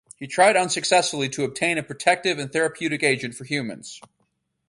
He tried unsuccessfully to obtain a protective and therapeutic agent for humans.